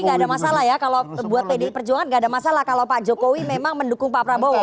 nggak ada masalah ya kalau buat pdi perjuangan nggak ada masalah kalau pak jokowi memang mendukung pak prabowo